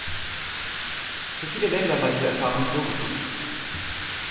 Für viele Länder war diese Erfahrung positiv.